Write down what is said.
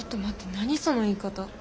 何その言い方。